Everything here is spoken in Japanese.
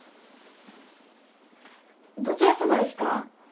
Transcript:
どちらさまですか？